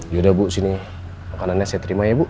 yaudah bu sini makanannya saya terima ya bu